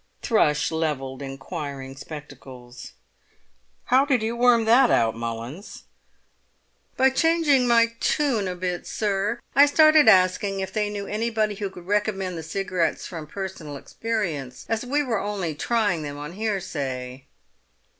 Thrush levelled inquiring spectacles. "How did you worm that out, Mullins?" "By changing my tune a bit, sir. I started asking if they knew anybody who could recommend the cigarettes from personal experience, as we were only trying them on hearsay."